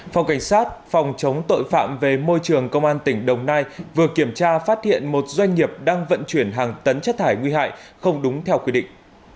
phòng cảnh sát phòng chống tội phạm về môi trường công an tỉnh đồng nai vừa kiểm tra phát hiện một doanh nghiệp đang vận chuyển hàng tấn chất thải nguy hại không đúng theo quy định